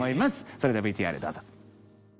それではＶＴＲどうぞ。